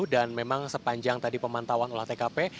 dan memang sepanjang tadi pemantauan ola tkp